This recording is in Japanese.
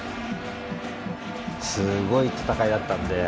すごい戦いだったんで。